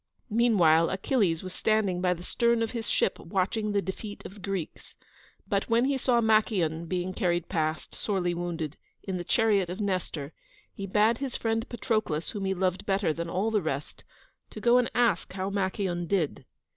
Meanwhile Achilles was standing by the stern of his ship watching the defeat of the Greeks, but when he saw Machaon being carried past, sorely wounded, in the chariot of Nestor, he bade his friend Patroclus, whom he loved better than all the rest, to go and ask how Machaon did.